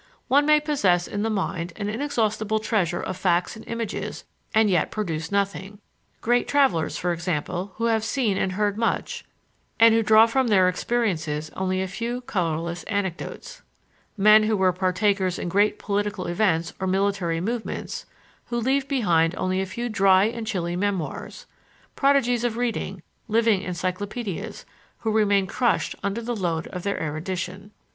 One may possess in the mind an inexhaustible treasure of facts and images and yet produce nothing: great travelers, for example, who have seen and heard much, and who draw from their experiences only a few colorless anecdotes; men who were partakers in great political events or military movements, who leave behind only a few dry and chilly memoirs; prodigies of reading, living encyclopedias, who remain crushed under the load of their erudition.